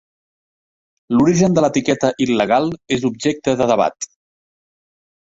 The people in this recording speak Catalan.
L'origen de l'etiqueta il·legal és objecte de debat.